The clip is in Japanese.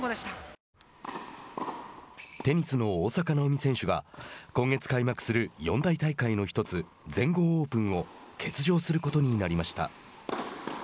テニスの大坂なおみ選手が今月開幕する四大大会の１つ全豪オープンを欠場することになりました。